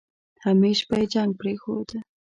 همېش به يې جنګ پرېښوده.